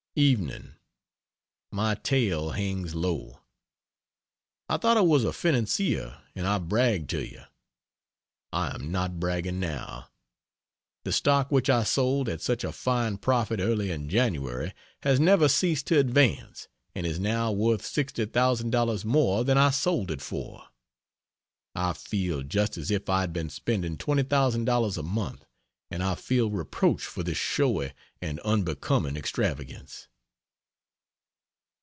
Evening. My tail hangs low. I thought I was a financier and I bragged to you. I am not bragging, now. The stock which I sold at such a fine profit early in January, has never ceased to advance, and is now worth $60,000 more than I sold it for. I feel just as if I had been spending $20,000 a month, and I feel reproached for this showy and unbecoming extravagance.